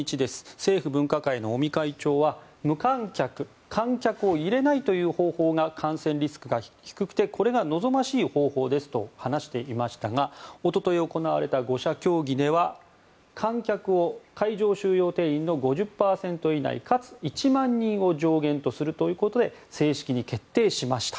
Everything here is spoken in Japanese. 政府分科会の尾身会長は無観客観客を入れないという方法が感染リスクが低くてこれが望ましい方法ですと話していましたがおととい行われた５者協議では観客を会場収容定員の５０％以内かつ１万人を上限とするということで正式に決定しました。